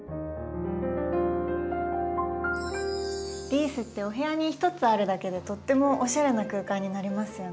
リースってお部屋に一つあるだけでとってもおしゃれな空間になりますよね。